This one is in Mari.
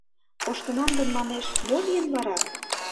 Коштынам гын, манеш, мо лийын вара?